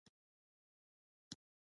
عشر او زکات ورکول دیني فریضه ده.